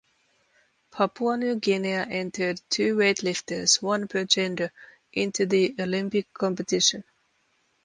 Papua New Guinea entered two weightlifters (one per gender) into the Olympic competition.